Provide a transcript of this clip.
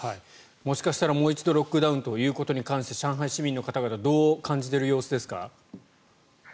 もしかしたらもう一度ロックダウンということに関して上海市民の方々どう感じている様子ですか？